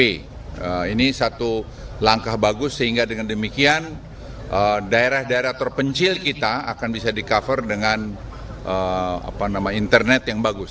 ini satu langkah bagus sehingga dengan demikian daerah daerah terpencil kita akan bisa di cover dengan internet yang bagus